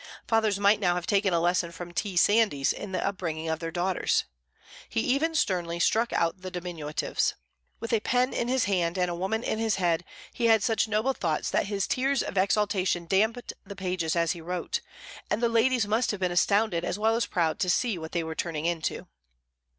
Fathers might now have taken a lesson from T. Sandys in the upbringing of their daughters. He even sternly struck out the diminutives. With a pen in his hand and woman in his head, he had such noble thoughts that his tears of exaltation damped the pages as he wrote, and the ladies must have been astounded as well as proud to see what they were turning into.